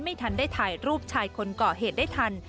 ไม่ทันได้ถ่ายรูปชายคนก่อเหตุได้ทัน